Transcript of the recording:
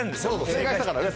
正解したからね。